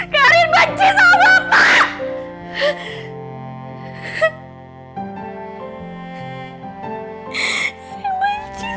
karir benci sama bapak